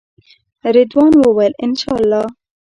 رضوان وویل انشاالله.